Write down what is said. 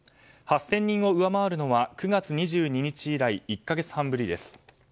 ８０００人を上回るのは９月２９日以来１か月半ぶりです。